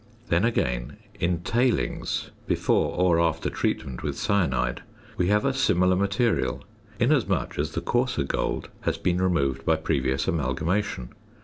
Then, again, in "tailings," before or after treatment with cyanide, we have a similar material, inasmuch as the coarser gold has been removed by previous amalgamation.